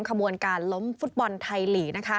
ขบวนการล้มฟุตบอลไทยลีก